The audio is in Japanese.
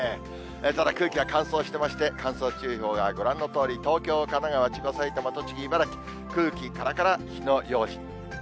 ただ空気は乾燥してまして、乾燥注意報が、ご覧のとおり、東京、神奈川、千葉、埼玉、栃木、茨城、空気からから、火の用心。